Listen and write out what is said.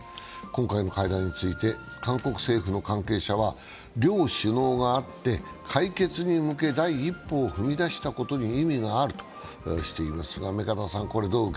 今回の会談について韓国政府の関係者は両首脳が会って、解決に向け、第一歩を踏み出したことに意味があるとしていますが。